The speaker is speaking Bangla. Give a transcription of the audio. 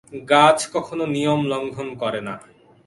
গাছ কখনও নিয়ম লঙ্ঘন করে না।